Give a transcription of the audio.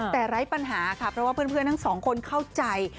แต่ไร้ปัญหาค่ะเพราะว่าเพื่อนทั้งสองคนเข้าใจ